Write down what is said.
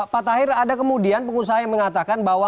pak tahir ada kemudian pengusaha yang mengatakan bahwa